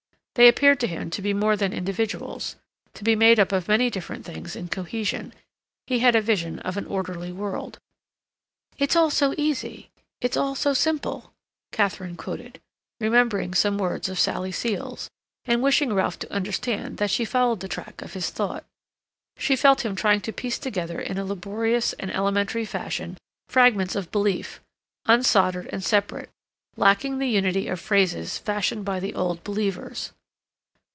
They appeared to him to be more than individuals; to be made up of many different things in cohesion; he had a vision of an orderly world. "It's all so easy—it's all so simple," Katherine quoted, remembering some words of Sally Seal's, and wishing Ralph to understand that she followed the track of his thought. She felt him trying to piece together in a laborious and elementary fashion fragments of belief, unsoldered and separate, lacking the unity of phrases fashioned by the old believers.